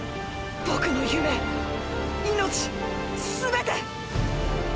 僕の夢命すべて。